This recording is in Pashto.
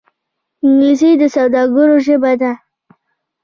انګلیسي د سوداګرو ژبه ده